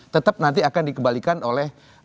tetap nanti akan dikembalikan oleh